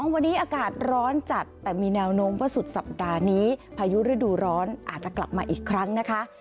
วันนี้อากาศร้อนจัดแต่มีแนวโน้มว่าสุดสัปดาห์นี้พายุฤดูร้อนอาจจะกลับมาอีกครั้งนะคะ